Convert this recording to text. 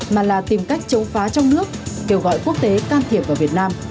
mà là tìm cách chống phá trong nước kêu gọi quốc tế can thiệp vào việt nam